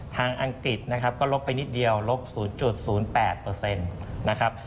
ทางอังกฤษก็ลบไปนิดเดียวลบ๐๐๘